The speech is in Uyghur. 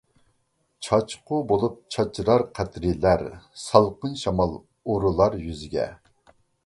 چاچقۇ بولۇپ چاچرار قەترىلەر، سالقىن شامال ئۇرۇلار يۈزگە.